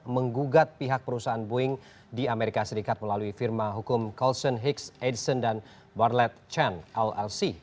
menggugat pihak perusahaan boeing di amerika serikat melalui firma hukum colson hicks edison dan bartlett chan llc